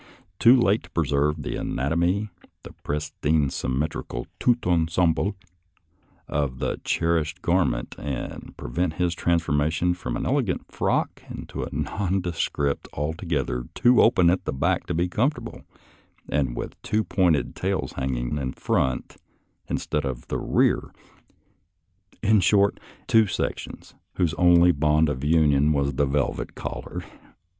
too late to preserve the anatomy, the pristine symmetrical tout ensemble, of the cherished gar ment, and prevent its transformation from an elegant frock into a nondescript, altogether too open at the back to be comfortable, and with two pointed tails hanging in front, instead of in the rear — ^in short, in two sections, whose only bond of union was the velvet collar.